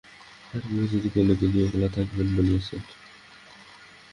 আশা মৃদুস্বরে কহিল, তিনি একলা থাকিবেন বলিয়াছেন।